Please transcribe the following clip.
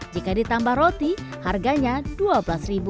jika ditambah roti harganya dua belas ribu